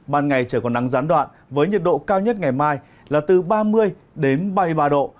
ban ngày trời còn nắng gián đoạn với nhiệt độ cao nhất ngày mai là từ ba mươi đến ba mươi ba độ